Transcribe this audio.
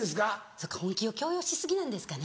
そっか本気を強要し過ぎなんですかね。